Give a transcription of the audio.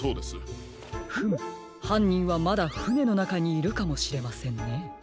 フムはんにんはまだふねのなかにいるかもしれませんね。